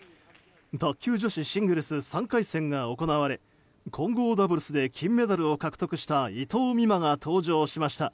卓球女子シングルス３回戦が行われ混合ダブルスで金メダルを獲得した伊藤美誠が登場。